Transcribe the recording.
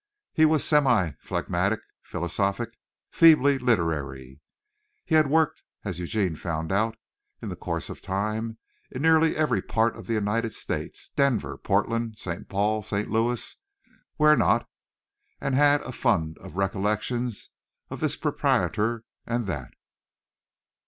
He was semi phlegmatic, philosophic, feebly literary. He had worked, as Eugene found out in the course of time, in nearly every part of the United States Denver, Portland, St. Paul, St. Louis, where not, and had a fund of recollections of this proprietor and that.